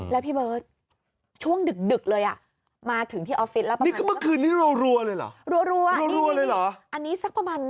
และพี่เบิ๊ดช่วงดึกเลยมาถึงที่ออฟฟิศ